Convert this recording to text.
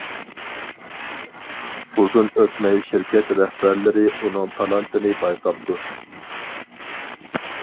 ئۇزۇن ئۆتمەي شىركەت رەھبەرلىرى ئۇنىڭ تالانتىنى بايقاپتۇ.